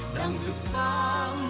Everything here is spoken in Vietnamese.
đảng dự sáng